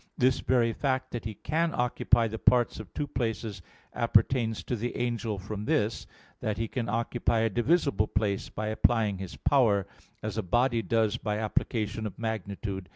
This very fact that he can occupy the parts of two places appertains to the angel from this, that he can occupy a divisible place by applying his power; as a body does by application of magnitude.